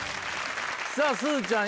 さぁすずちゃん